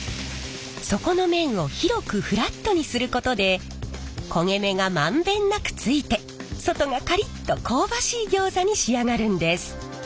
底の面を広くフラットにすることで焦げ目が満遍なくついて外がカリッと香ばしいギョーザに仕上がるんです。